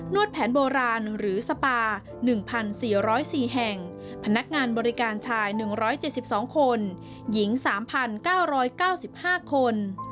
วดแผนโบราณหรือสปา๑๔๐๔แห่งพนักงานบริการชาย๑๗๒คนหญิง๓๙๙๕คน